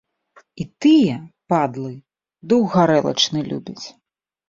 І тыя, падлы, дух гарэлачны любяць.